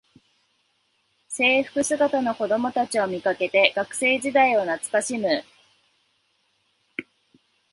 制服姿の子どもたちを見かけて学生時代を懐かしむ